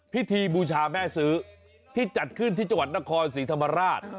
พิธีบูชาแม่ซื้อที่จัดขึ้นที่จังหวัดนครศรีธรรมราช